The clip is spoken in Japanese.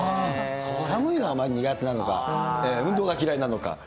寒いのがあまり苦手なのか、運動が嫌いなのか。